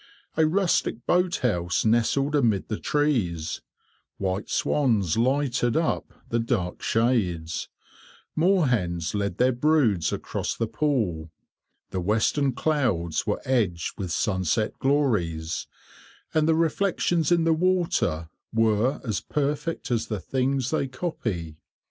A rustic boathouse nestled amid the trees, white swans lighted up the dark shades, moorhens led their broods across the pool; the western clouds were edged with sunset glories, and the reflections in the water were as perfect as the things they copy.